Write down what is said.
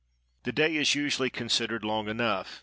—The day is usually considered long enough.